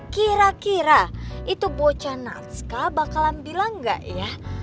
kira kira itu bocah natska bakalan bilang gak ya